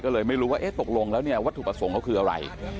ก็เลยไม่รู้ว่าตกลงแล้ววัตถุประสงค์เค้าคืออะไร